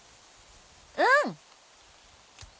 うん！